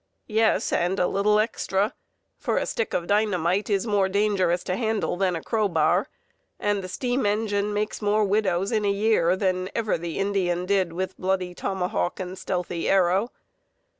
Yes, and a little extra; for a stick of dynamite is more dangerous to handle than a crowbar, and the steam engine makes more widows in a year than ever the Indian did with bloody tomahawk and stealthy arrow.